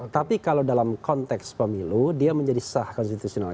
tapi kalau dalam konteks pemilu dia menjadi sah konstitusional